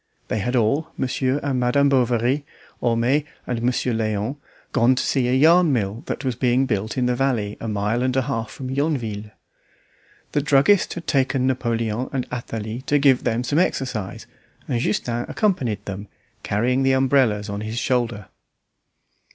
They had all, Monsieur and Madame Bovary, Homais, and Monsieur Léon, gone to see a yarn mill that was being built in the valley a mile and a half from Yonville. The druggist had taken Napoleon and Athalie to give them some exercise, and Justin accompanied them, carrying the umbrellas on his shoulder.